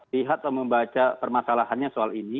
lihat atau membaca permasalahannya soal ini